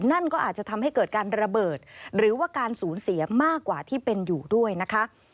นั่นก็อาจจะทำให้เกิดการระเบิดหรือว่าการสูญเสียมากกว่าที่เป็นอยู่ด้วยนะคะ